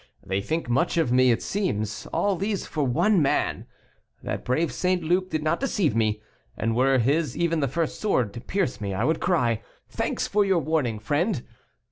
They think much of me, it seems; all these for one man. That brave St. Luc did not deceive me; and were his even the first sword to pierce me I would cry, 'Thanks for your warning, friend.